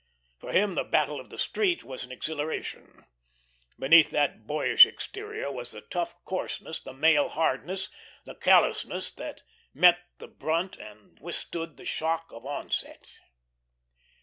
For him the Battle of the Street was an exhilaration. Beneath that boyish exterior was the tough coarseness, the male hardness, the callousness that met the brunt and withstood the shock of onset.